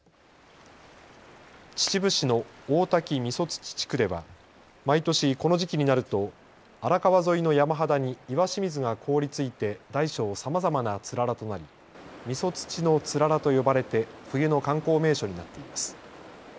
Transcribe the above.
秩父市の大滝三十槌地区では毎年この時期になると荒川沿いの山肌に石清水が凍りついて大小さまざまなつららとなり三十槌の氷柱と呼ばれて冬の観光名所になっています。